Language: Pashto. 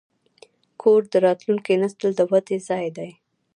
کور د راتلونکي نسل د ودې ځای دی.